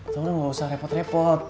tau udah gak usah repot repot